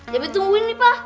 debbie tungguin nih pa